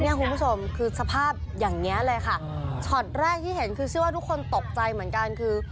คุณผู้ชมคือสภาพอย่างเงี้ยเลยค่ะช็อตแรกที่เห็นคือเชื่อว่าทุกคนตกใจเหมือนกันคือ